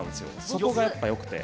そこがやっぱよくて。